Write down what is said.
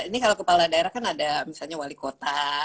ini kalau kepala daerah kan ada misalnya wali kota